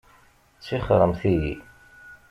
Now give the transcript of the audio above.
Tixxṛemt-iyi!